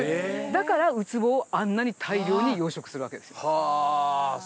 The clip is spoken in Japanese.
だからウツボをあんなに大量に養殖するわけですよ。はあそういうことなんだ。